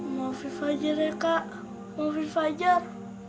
maafin fajar ya kak maafin fajar